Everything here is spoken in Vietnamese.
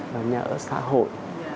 và nhà ở xã hội